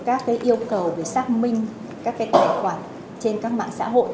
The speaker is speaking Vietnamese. các yêu cầu về xác minh các cái tài khoản trên các mạng xã hội